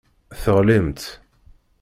Teɣlimt.